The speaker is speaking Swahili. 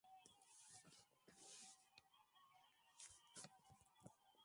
hassan omar hassan ni kamishna kutoka